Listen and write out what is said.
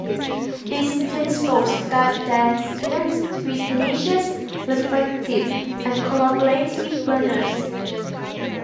These principles guide their students to be tenacious, reflective and collaborative learners.